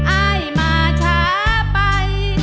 อ้ายมาช้าไป